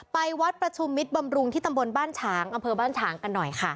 ไปวัดประชุมมิตรบำรุงที่ตำบลบ้านฉางอำเภอบ้านฉางกันหน่อยค่ะ